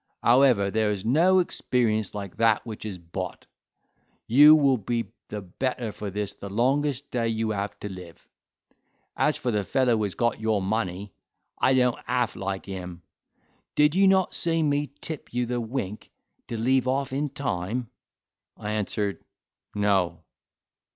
However, there is no experience like that which is bought; you will be the better for this the longest day you have to live. As for the fellow who has got your money, I don't half like him. Did not you see me tip you the wink to leave off in time?" I answered, "No."